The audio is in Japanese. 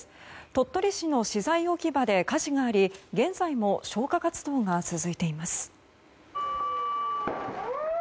鳥取市の資材置き場で火事があり現在も消火活動が続いています。